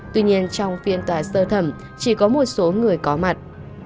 tuy nhiên trong phiên tòa sơ thẩm chỉ có một số người có mặt